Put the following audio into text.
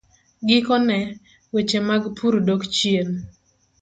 Gikone, weche mag pur dok chien.